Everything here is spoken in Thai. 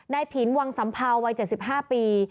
นายผีนวังสำเภาวัย๗๕ปี